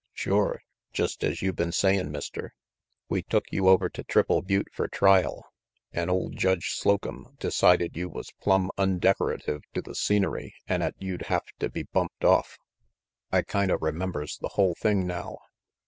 "Shore, jest as you been sayin', Mister, we took you over to Triple Butte fer trial, an' Ole Judge Slocum decided you was plumb undecorative to the scenery an' 'at you'd hafta be bumped off. I kinda remembers the hull thing now.